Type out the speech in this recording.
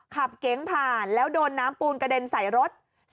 เก๋งผ่านแล้วโดนน้ำปูนกระเด็นใส่รถ